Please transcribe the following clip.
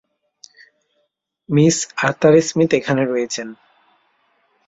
Miss Arthur Smith এখানে রয়েছেন।